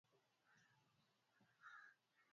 Bara kwenu kunamea mahindi mengi sana